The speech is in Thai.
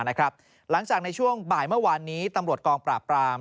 หลังจากในช่วงบ่ายเมื่อวานนี้ตำรวจกองปราบปราม